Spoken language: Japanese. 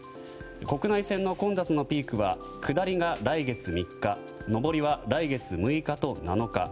国内線の混雑のピークは下りが来月３日上りは来月６日と７日。